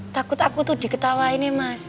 takut aku tuh diketawain ya mas